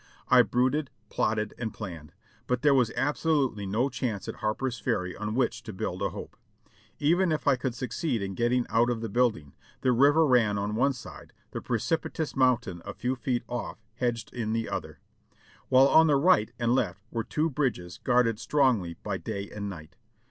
I brooded, plotted and planned, but there was absolutely no chance at Harper's Ferry on which to build a hope. Even if I could succeed in getting out of the build ing, the river ran on one side, the precipitous mountain a few feet off hedged in the other, while on the right and left were two bridges guarded strongly by day and night.